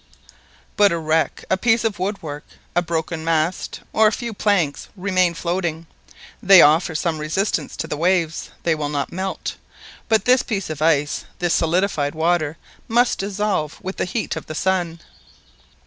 But a wreck, a piece of woodwork, a broken mast, or a few planks, remain floating; they offer some resistance to the waves, they will not melt; but this bit of ice, this solidified water, must dissolve with the heat of the sun!